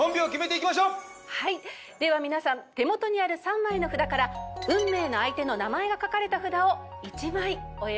では皆さん手元にある３枚の札から運命の相手の名前が書かれた札を１枚お選びください。